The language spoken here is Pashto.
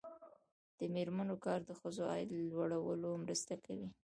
د میرمنو کار د ښځو عاید لوړولو مرسته کوي.